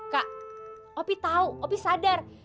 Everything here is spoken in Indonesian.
kak opi tahu opi sadar